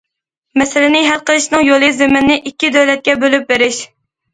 مەسىلىنى ھەل قىلىشنىڭ يولى زېمىننى ئىككى دۆلەتكە بۆلۈپ بېرىش.